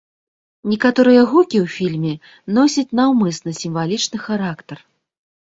Некаторыя гукі ў фільме носяць наўмысна сімвалічны характар.